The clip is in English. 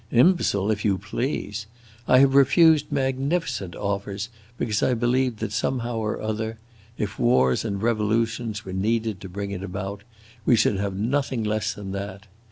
Imbecile if you please! I have refused magnificent offers because I believed that somehow or other if wars and revolutions were needed to bring it about we should have nothing less than that.